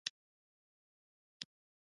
ایران له هند سره ښه اړیکې لري.